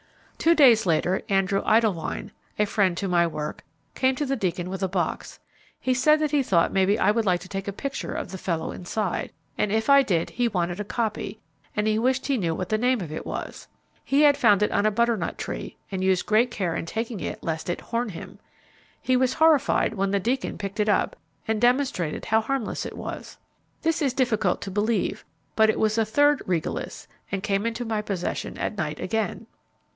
Two days later, Andrew Idlewine, a friend to my work, came to the Deacon with a box. He said that he thought maybe I would like to take a picture of the fellow inside, and if I did, he wanted a copy; and he wished he knew what the name of it was. He had found it on a butternut tree, and used great care in taking it lest it 'horn' him. He was horrified when the Deacon picked it up, and demonstrated how harmless it was. This is difficult to believe, but it was a third Regalis and came into my possession at night again.